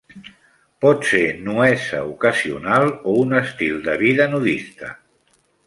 Pot ser nuesa ocasional o un estil de vida nudista.